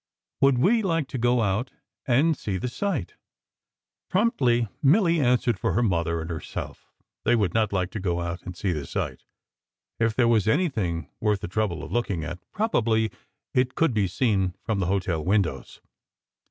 Would we like to go out and see the sight? Promptly Milly answered for her mother and herself. They would not like to go out and see the sight. If there was anything worth the trouble of looking at, probably it could be seen from the hotel windows.